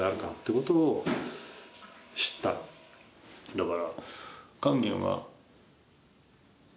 だから。